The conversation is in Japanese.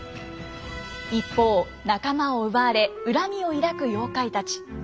一方仲間を奪われ恨みを抱く妖怪たち。